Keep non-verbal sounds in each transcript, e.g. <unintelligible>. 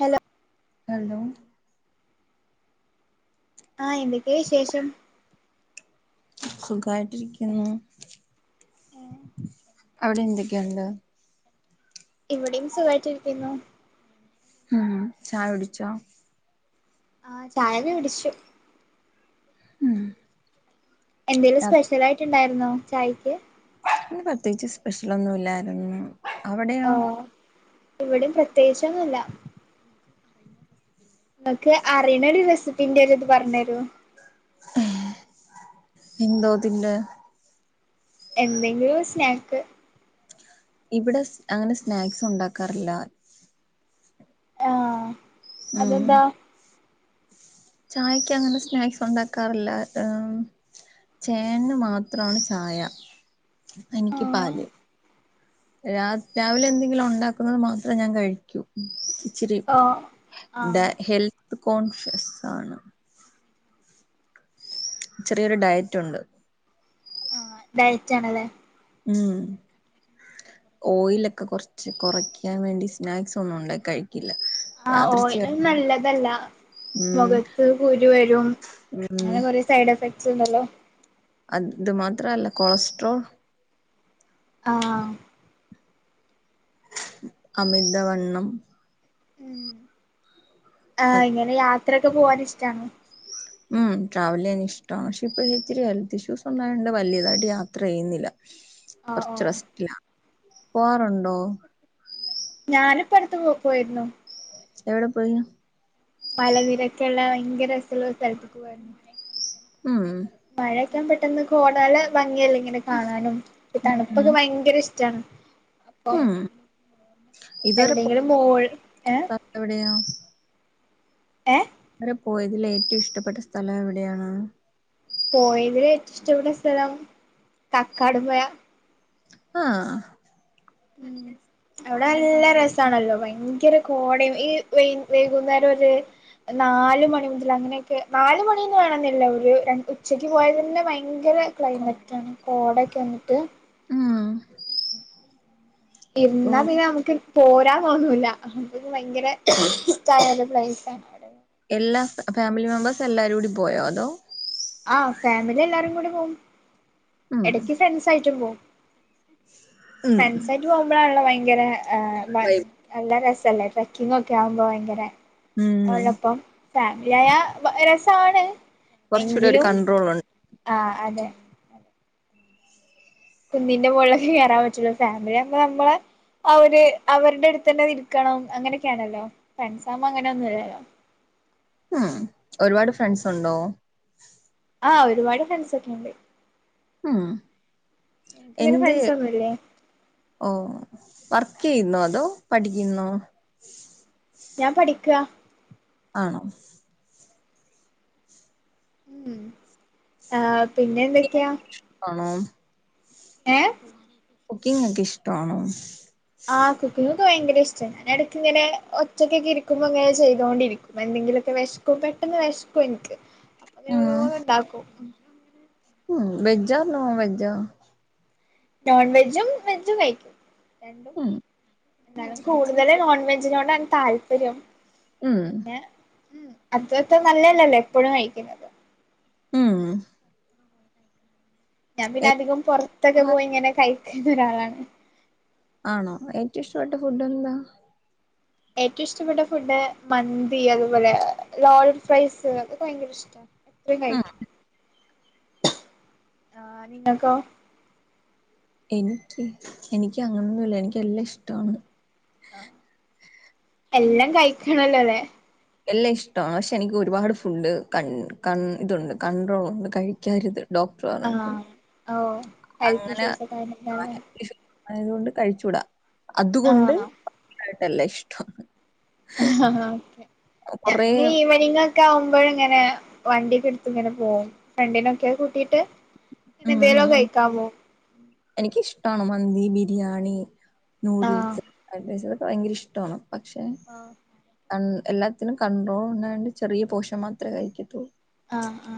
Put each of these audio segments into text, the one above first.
Hello hello ആ എന്തൊക്കെ വിശേഷം. സുഖായിട്ടിരിക്കുന്നു അവിടെ എന്തൊക്കെയുണ്ട്. ഇവിടെയും സുഖയിട്ടിരിക്കുന്നു. ഉം ചായ കുട്ച്ചോ. ആ ചായക്കെ കുടിച്ചു. ഉം. എന്തേലും സ്പെഷലായിട്ട് ഇണ്ടായിർ ന്നോ ചായക്ക്. ഇന്ന് പ്രത്യേകിച്ച് സ്പെഷ്യൽ ഒന്നും ഇല്ലായിരുന്നു. അവിടെയാ ഇവിടീം പ്രത്യേകിച്ചൊന്നുല്ല. ങ്ങക്ക് അറിണ ഒരു റെസിപ്പിന്റെ ഇത് പർഞ്ഞരോ. ഇന്തോ തിന്റെ. എന്തെങ്കിലും സ്നാക്ക്. ഇവിടെ അങ്ങനെ സ്നാക്സ് ഉണ്ടാക്കാറില്ല. ആഹ് ഉം അതെന്താ ചായക്ക് അങ്ങനെ സ്നാക്സ് ഉണ്ടാക്കാറില്ല ചേന് മാത്രാണ് ചായ എനിക്ക് ആഹ് പാല്. രാ രാവിലെ എന്തെങ്കിലും ഉണ്ടാക്കുന്നത് മാത്രം ഞാൻ കഴിക്കൂ ഇച്ചിരി ഓഹ് ആഹ് ട ഹെൽ കോൺഷ്യസ് ആണ്. ചെറിയൊരു ഡയറ്റുണ്ട്. ആ ഡയറ്റാണ്ലെ ഉം ഓയിലൊക്കെ കുറച്ച് കുറയ്ക്കാൻ വേണ്ടി സ്നാക്സ് ഒന്നും ണ്ട കഴി ആഹ് ഓയില് നല്ലതല്ല ഉം മൊഖത്ത് കുരു വരും ഉം അങ്ങനെ കൊറെ സൈഡ് എഫക് ട്ണ്ടല്ലോ. അത് മാത്രല്ല കൊളസ്ട്രോൾ ആഹ്. അമിത വണ്ണം. ഉം. ആഹ് അത് ഇങ്ങനെയാ ത്രക്കെ പോവാനിഷ്ടാണോ. ഉം ട്രാവലിയ്യാൻ ഇഷ്ടാണ് പക്ഷെ ഇപ്പൊഴ് ഇത്തിരി ഹെൽത്ത് ഇഷ്യൂസ് ഉണ്ടായോണ്ട് വലിയതായിട്ട് യാത്ര ചെയ്യുന്നില്ല. ആ ഓ കൊറച്ച് റെസ്റ്റിലാ പോവാറുണ്ടോ. ഞാനിപ്പ അടുത്ത് പോ പോയിരുന്നു. എവിടെ പോയി മല നിരക്കെള്ള ഭയങ്കര രസള്ള ഒരു സ്ഥലത്തിക്ക് പോയേർന്നു. ഉം. ക്കം പെട്ടെന്ന് കോടാല ഭംഗിയല്ലേ ഇങ്ങനെ കാണാനും. ഉം തണുപ്പൊക്കെ ഭയങ്കര ഇഷ് റ്റാണ്. അപ്പൊ ഉം ഇതുവരെ പോയ എവിടെങ്കിലും മോൾ ഏ സ്ഥലം ഏ തുവരെ പോയതില് ഏറ്റവും ഇഷ്ടപ്പെട്ട സ്ഥലം എവിടെയാണ്. പോയതിൽ ഏറ്റവും ഇഷ്ടപ്പെട്ട സ്ഥലം കക്കാട് പൊയാ. ആഹ് ഉം അവിടെ നല്ല രസാണല്ലോ ഭയങ്കര കോടേം ഈ വയ് വൈകുന്നേരം ഒര് നാല് മണി മുതൽ അങ്ങനൊക്കെ നാല് മണിന്ന് വേണെന്നില്ല ഒരു രണ്ട് ഉച്ചക്ക് പോയതന്നെ ഭയങ്കര ക്ലൈമറ്റാണ്. കോടക്കെ വന്നിട്ട് ഉം ഇരുന്നാ ഓ പിന്നെ നമുക്ക് പോരാൻ തോന്നൂല്ല. അഹം ഒരു ഭയങ്കര ഷ്ടായ ഒരു പ്ലേസാണ്. അവടെ എല്ലാ ഫാ ഫാമിലി മെമ്പേഴ്സ് എല്ലാരൂടി പോയോ അതോ ആ ഫാമിലി എല്ലാരും കൂടി പോവും. ഉം എടയ്ക്ക് ഫ്രൻഡ്സ് ആയിട്ടും പോവും. ഉം ഫ്രണ്ട്സായിട്ട് പോവുമ്പോഴാണള്ളോ ഭയ ങ്കര ആഹ് ഭ നല്ല രസ സല്ലേ ട്രക്കിംഗ് ഒക്കെ ആവുമ്പോ ഭയങ്കര ഉം ഫാമിലി ആയാ ബ രസാണ്. കുറച്ചുകൂടി ഒരു എങ്കിലും കൺട്രോൾ ഉണ്ട് ആ അതെ. കുന്നിന്റെ മോളിലൊക്കെ കേറാ പറ്റുള്ളൂ. ഫാമിലി ആവുമ്പോ നമ്മള് അവര് അവരുടെ അടുത്തന്നെ ഇരിക്കണം. അങ്ങനൊക്കെയാണല്ലോ. ഫ്രണ്ട്സാവുമ്പോ അങ്ങനെ ഒന്നുല്ലല്ലോ. ഉം ഒരുപാട് ഫ്രണ്ട്സ് ഉണ്ടോ? <unintelligible> ആഹ് ഒരുപാട് ഫൻസ ഒക്കെണ്ട്. ഉം എന്ത് ഫ്രണ്ട്സ് ഒന്നുമില്ലേ ഓ വ കയുന്നോ അതോ പഠിക്കിന്നോ ഞാൻ പഠിക്ക. ആണോ ഉം ആഹ് പിന്നെ എന്തൊക്കെയാ. ആണോ ഏഹ് കുക്കിങ് ഒക്കെ ഇഷ്ട്ടാണോ? ആഹ് കുക്കിംഗ് എനിക്ക് ഭയങ്കര ഇഷ്ട്ട ഞാനെടയ്ക്ക് ഇങ്ങനെ ഒറ്റക്കൊക്കെ ഇരിക്കുമ്പോ ഇങ്ങനെ ചെയ്തോണ്ടിരിക്കും. എന്തെിലൊക്കെ വെശക്കും പെട്ടെന്ന് വെശ്ക്കും എനിക്ക്. അങ്ങനെ ഓരോുന്ന് ഇണ്ടാക്കും. വെജ ആ നോൺ വെജാ നോൺ വെജും വെജും കയിക്കും രണ്ടും ഉം എന്താലും കൂടുതല് നോൺ വെജിനോടാണ് താല്പര്യം ഉം പിന്നെ ഉം അതത്ര നല്ലല്ലല്ലോ എപ്പോഴും കഴിക്കുന്നത് ഉം ഞാൻ പിന്നെ ഏ- അധികം പൊറത്തൊക്കെ ആ- പോയി ഇങ്ങനെ കഴി എന്തോരാളാണ് ആണോ ഏറ്റവും ഇഷ്ടപ്പെട്ട ഫുഡ് എന്താ ഏറ്റവും ഇഷ്ടപ്പെട്ട ഫുഡ് മന്തി അതുപോലെ ലോൾ ഫ്രൈസ് അതക്കെ ഭയങ്കര ഇഷ്ട എത്ര കയി ഉം ആഹ് നിങ്ങക്കോ എനിക്ക് എനിക്ക് അങ്ങനൊന്നുംല്ല എനിക്ക് എല്ലാം ഇഷ്ടാണ് ലോ എല്ലാം കഴിക്കണല്ലോ അല്ലേ എല്ലാം ഇഷ്ടണ് പക്ഷെ എനിക്ക് ഒരുപാട് ഫുഡ് കന് കന് ഇതുണ്ട് കണ്ട്രോളുണ്ട് കഴിക്കാരുത് ഡോക്ടർ ആഹ് പറഞ്ഞിടുണ്ട് ഓ ഹെൽത്ത് ഇഷ്യൂസൊക്കെ വന്നിടുടാവുല്ലേ അതുകൊണ്ട് കഴിച്ചൂടാ അതുകൊണ്ട് എല്ല ഇഷ്ടണ് ഒക്കെ കുറേ ഞാനിങ്ങനെ ഈവെനിംഗ് ഒക്കെ ഒണ്ട് ഇങ്ങനെ വണ്ടിക്ക് എടുത്ത് ഇങ്ങനെ പോകും ഫ്രണ്ടിനൊക്കെ കൂട്ടിട്ട് പിന്നെന്തെലൊക്കെ കൈക്കാപോം എനിക്കിഷ്ടാണ് മന്തി ബിരിയാണി ആഹ് നൂഡിൽസ് അനജാം ഭയങ്കരം ഇഷ്ടാണ് പക്ഷെ ആ ഹ് എല്ലാത്തിനും കണ്ട്രോൾ ഉണ്ടായൊണ്ട് ചെറിയ പോഷൻ മാത്രെ കഴിക്കതൊള്ളൂ ആ ആ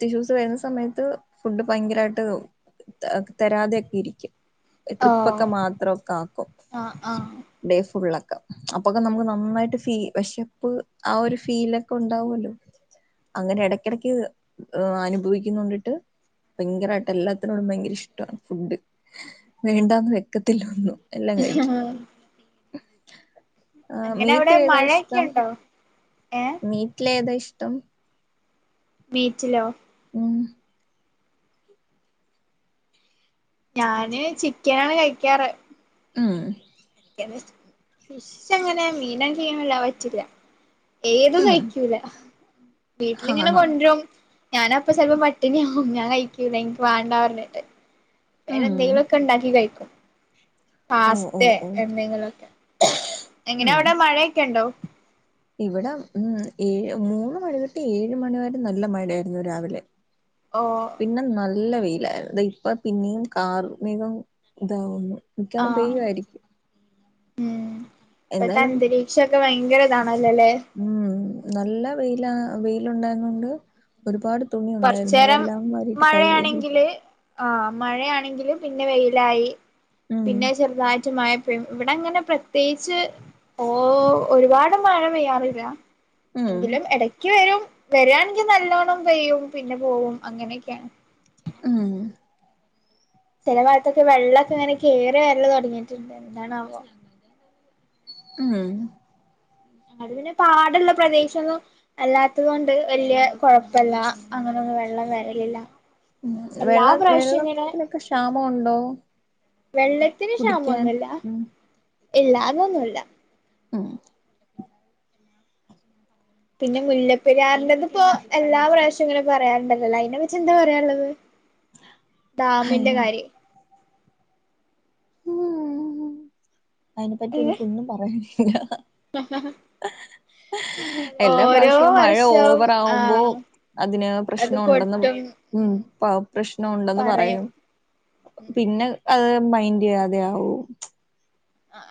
ഇഷ്യുസ് വര്ന്ന സമയത്ത് ഫുഡ് ഭയങ്കരായിട്ട് ത തരാതെക്കെ ഇരിക്കും ഈ ഓ ട്രിപ്പൊക്കെ മാത്രൊക്ക ആക്കും ആഹ് ആഹ് ഡേ ഫുള്ള് അപ്പൊക്കെ നമുക്ക് നമ് ട്ട് ഫീ പക്ഷെ ഫുൾ ആ ഒരു ഫീല ഒക്കെ ഉണ്ടാവുല്ലോ അങ്ങനെ എടക്കെടക്ക് ഏ അനുഭവിക്കുന്നിണ്ടിട്ട് ഭയങ്കരായിട്ട് എല്ലാത്തിനോടും ഭയങ്കര ഇഷ്ടാണ് ഫുഡ് വേണ്ടാന്ന് വെക്കത്തില്ല ഒനും എല്ലാ കഴിക്കും അങ്ങനെ അവിടെ മഴയൊക്കെ ഉണ്ടോ? ഏഹ് മീറ്റ്ല് ഏതാ ഇഷ്ടം മീറ്റിലോ ഉം ഞാന് ചിക്കനാണ് കഴിക്കാറ് ആ <unintelligible> ഫിഷ് എങ്ങനെ മീന ക്കെ എ ഏതും ഉം കഴിക്കൂല ആണോ ഞാന് അപ്പ ചെലപ്പ പട്ടിണിയാവും ഞാൻ കഴിക്കൂല ഇൻക്ക് വേണ്ടാർ ഞ്ഞിട്ട് വേറെ ഉം എന്തെങ്കിലൊക്കെ ഇണ്ടാക്കി ഓ ഓ പാസ്ത്തെ ഓ എന്തെങ്കിലൊക്കെ എങ്ങനെ അവടെ മഴയൊക്കെ ഇണ്ടോ ഇവിട ഉം ഏഴ് മൂന്ന് മണി തൊട്ട് ഏഴ് മണിവ വരെ നല്ല മഴയായിരുന്നു രാവിലെ ഓ പിന്നെ നല്ല വെയി ല്ലായിര്ന്നു ഇപ്പ പിന്നിം കാർമേഘം ഇതാവുന്നു മിക്കാറും ആഹ് പെയ്യു ആയിരിക്കും ഉം ഇപ്പത്തെ അന്തരീക്ഷക്കെ വയ ങ്കരതാ അല്ലലെ ഉം നല്ല വെയില വെയില് ഉണ്ടായിരുന്നോണ്ട് തുണി ഉണ്ടായിരുന്നു കൊറച്ചേരം അതെല്ലാം മാറിട്ട് കഴുകി ആ മഴയാണെങ്കില് പിന്നെ വെയിലായി ഉം പിന്നെ അഹ്‌ ചെറുതായിട്ട് മഴ ഇവിടെ അങ്ങനെ പ്രത്യേകിച്ച് ഓ ഒരുപാട് മഴ പെയ്യാറില്ല. ഉം എങ്കിലും ഇടക്ക് വരും. വരിയാണെക്കി നല്ലോണ്ണം പെയ്യും. പിന്നെ പോകും അങ്ങനെയൊക്കെയാണ്. മ്മ്. ചില ഭാഗത്തൊക്കെ വെള്ളമൊക്കെ ഇങ്ങനെ കയറി വരല് തുടങ്ങിട്ടുണ്ട് എന്താണാവോ? ഉം. അത് പിന്നെ പാടുള്ള പ്രദേശം ഒന്നും അല്ലാത്തത് കൊണ്ട് വല്യ കൊഴപ്പില്ല അങ്ങനൊന്നും വെള്ളം വരലില്ല. ഉം എല്ലാ വെള്ള പ്രാവശ്യം ഇങ്ങനെ വെള്ളത്തിനോക്കെ ക്ഷാമം ഉണ്ടോ കുടിക്കാൻ ഉം. ഇല്ല അതൊന്നുമില്ല. മ്മ് പിന്നെ മുല്ലപ്പെരിയാറിന്റെ ഇപ്പോ എല്ലാം പ്രാവിശ്യം പിന്നെ പറയാറുണ്ടല്ലോ അതിനെ പറ്റി എന്താ പറയാനുള്ളത്. ഹേ. ഡാമിന്റെ കാര്യേ. അതിനെ പറ്റി ഏഹ് എനിക്കൊന്നും പറയാനില്ല എല്ലാ ഓരോ പ്രാവശ്യവും മഴ വർഷവും ഓവറ്ആകുമ്പോ ആഹ് അതിന് അത് പ്രശ്നം ഉണ്ടെന്ന് പൊട്ടും ഉം പ്രശ്നം ഉണ്ടെന്ന് പറയും പിന്നെ. അത് മൈൻഡ് ചെയ്യാതെ ആകും.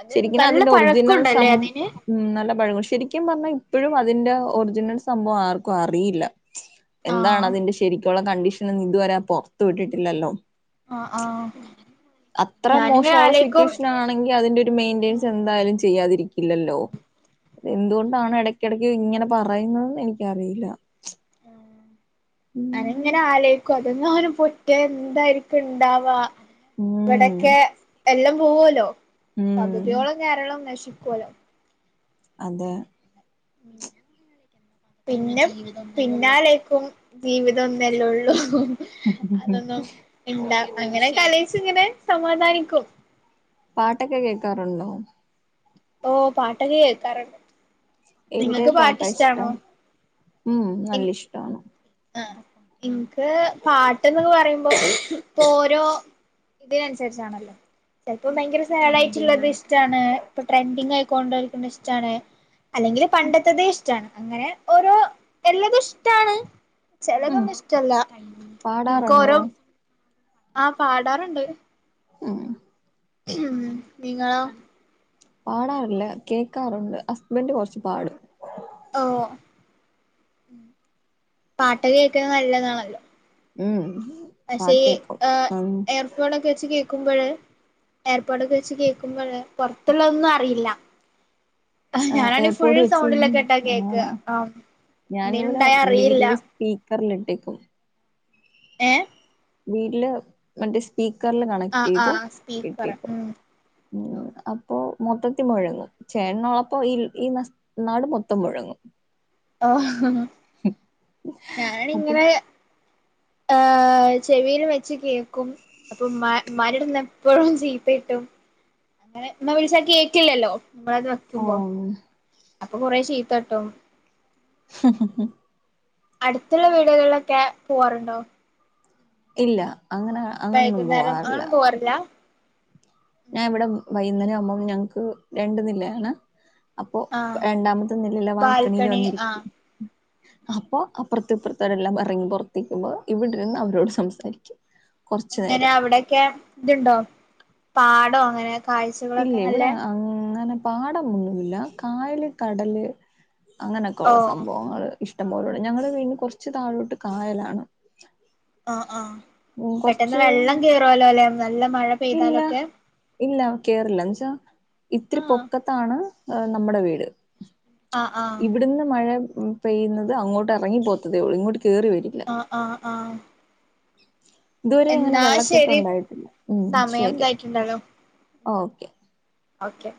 അത് ശരിക്ക് നല്ല അതിന്റെ ഒറിജിനൽ സം പഴക്കണ്ടല്ലേ അതിന് ഉം നല്ല പഴ. <unintelligible> ശരിക്കും പറഞ്ഞാൽ ഇപ്പോഴും അതിന്റെ ഒറിജിനൽ സംഭവം ആർക്കും അറിയില്ല. എന്താണ് ആഹ് അതിന്റെ ശരിക്ക ഇപ്പോ ഉള്ള കണ്ടീഷനിൽ നിന്നു ഇതുവരെ പുറത്ത് വിട്ടിട്ടില്ലല്ലോ? ആ ആഹ്‌. അത്ര മോശമുള്ള സിറ്റുവേഷൻ ആണെങ്കിൽ അതിന്റെ ഒരു മെയിന്റനൻസ് ഉം എന്തായാലും. ചെയ്യാതിരിക്കില്ലല്ലോ അ എന്തുകൊണ്ടാണ് ഇടക്കിടക്ക് ഇങ്ങനെ പറയുന്നതെന്ന് എനിക്കറിയില്ല. ഞാൻ ഇങ്ങനെ ആലേ അതൊന്ന അവനും പൊറ്റ എന്തായിരിക്കും ഇണ്ടാവാ ഉം ഇവിടൊക്കെ എല്ലോം പോവലോ. ഉം പകുതിയോളം കേരളം നശിക്കും. കൊലം. അതെ. പിന്നെ പിന്നാലേയിക്കും ജീവിതം ഒന്നല്ലേ ഉള്ളൂ. അതൊന്നും ഇണ്ട അങ്ങനെ ലോയിച്ച് ഇങ്ങനെ. സമാധാനിക്കും. പാട്ടൊക്കെ കേക്കാറുണ്ടോ? ഓഹ്‌ പാട്ടൊക്കെ കേക്കാറുണ്ട്. എതിരെയ് പാട്ടാ ഇഷ്ടം ഉം നല്ല ഇഷ്ടമാണ്. ആഹ് ഇൻക്ക് പാട്ടെന്ന്ക്ക് പറയുമ്പോ ഇപ്പൊ ഓരോ ഇതിനനുസരിച്ചാണല്ലോ ചിലപ്പോ ഭയങ്കര സാഡായിട്ടുള്ളത് ഇഷ്ടാണ് ഇപ്പൊ ട്രെൻഡിങ് ആയിക്കൊണ്ടരിക്കണ ഇഷ്ടാണ് അല്ലെങ്കില് പണ്ടത്തതെ ഇഷ്ടാണ് അങ്ങനെ ഓരോ എല്ലതും ഇഷ്ടാണ് ഉം ചെലവൊന്നും ഇഷ്ടല്ല ഇന്ക്ക് ഓരോ പാടാറുണ്ടോ ആഹ് പാടാറുണ്ട് മഹ് ചും നിങ്ങളോ പാടാറില്ല കേക്കാറുണ്ട് ഹസ്ബൻഡ് കൊറച്ച് പാടും ഓ പാട്ട് കേൾക്കുന്നത് നല്ലതാണല്ലേ ഉം പക്ഷെ പാട്ട് ഈ കേക്കും ഉം എയർഫോണൊക്കെ വെച്ച് കേ കേക്കുമ്പഴ് എയർപോടൊക്കെ വെച്ച് കേക്കുമ്പഴ് പൊറത്തുള്ളത് ഒന്നും അറിയില്ല ആ ആഹ് ഞാനാണെ ഫുൾ എയർപോർട്ട് വെച്ച് സൗണ്ടിലൊക്കെ ഇട്ടാ കേക്കാ ആണോ അ എന്തേലും ഉണ്ടായ അറിയില്ല ക്കറിലിട്ടേക്കും എഹ് വീട്ടില് മറ്റേ സ് സ്പീക്കറില് കണക്ട് ആഹ് ചെയ്ത് ആഹ് സ്പീക്കർ ഇട്ടീക്കും ഉം മഹ് അപ്പോ മൊത്തത്തി മുഴങ്ങും ചേട്ടനൊളപ്പോ ഇ ഈ ന നാട് മൊത്തം മുഴങ്ങും ആഹ്ഹഹ ഞാൻ അപ്പൊ ഇങ്ങനെ ആഹ് ചെവിൽ വെച്ച് കേ അപ്പൊ മരടുന്ന എപ്പോഴും ജീപ്പട്ടും അങ്ങനെ എന്ന വിളിച്ചാക്കി കേൾക്കില്ലല്ലോ നിങ്ങള അത് വെക്കുമ്പോ ഓഹ് അപ്പൊ കൊറേ ചീത്തട്ടും. ഹ് ഹ് ഹ് അടുത്തുള്ള വീടുകളിലൊക്കെ പോവാറുണ്ടോ? ഇല്ല അങ്ങനെ അങ്ങനൊന്നും വൈകുന്നേരം ആ പോവാറില്ല പോവാറില്ല ഞാൻ ഇവിടെ വൈകുന്നേരം സംഭം ഞങ്ങക്ക് രണ്ടന്നില്ലയാണ് അപ്പൊ ആഹ് രണ്ടാമത്തെ നിലുള്ള വാൽക്കണിയില് ബാൽക്കണി ആഹ് വന്നിരിക്കും അപ്പൊ അപ്പുറത്ത് ഇപ്പുറത്ത് എല്ലാം ഇറങ്ങി പുറത്ത് നിക്കുമ്പോ ഇവിടിരുന്നു അവരോട് സംസാരിക്കും കുറച്ചു എങ്ങനെ നേരം അവിടെക്കെ ഇതുണ്ടോ പാടോ അങ്ങനെ കാഴ്ചകളൊക്കെ ഇല്ലേ നല്ല ഇവിടെ ആപ്പ പാടംമൊന്നുല്ല കായലും കടല് അങ്ങനെയൊക്കെ ഓ ള്ള സംഭവങ്ങള് ഇഷ്ടംപോലുള്ള ഞങ്ങള് കൊർച്ചു താഴോട്ട് കായലാണ് ആ ആ ഉം പെട്ടെന്ന് കുറച്ച് വെള്ളം കേറേലോ ല്ലെ ഇല്ല ഇല്ല കേറില്ല എന്നച്ചാ ഇത്തിരി ആഹ് പൊക്കത്താണ് ആ നമ്മുടെ വീട് ആഹ് ആഹ് ഇവിടുന്ന് മഴ പെയ്യുന്നത് അങ്ങോട്ടെ റങ്ങി പോകത്തേയുള്ളൂ ഇങ്ങോട്ട് കേറി വരൂല ആ <unintelligible> ഇതുവരെങ്ങനെ വെള്ളക്കെട്ട് ണ്ടായിട്ടില്ല ഉം സമയം ശരി ഇതായിട്ടുണ്ടല്ലോ ഓക്കെ ഓക്കെ